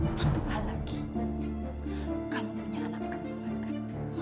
satu hal lagi kamu punya anak perempuan kan